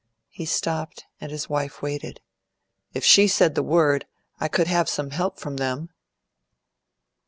He stopped, and his wife waited. "If she said the word, I could have some help from them."